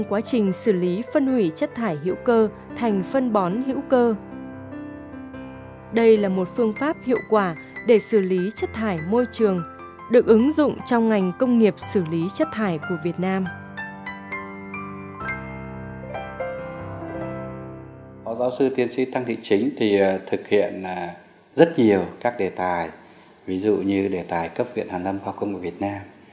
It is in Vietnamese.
giác thải thành sản phẩm phục vụ sản xuất sạch bền vững là điều mà phó giáo sư tiến sĩ tăng thị chính trưởng phòng viện hàn lâm khoa học công nghệ việt nam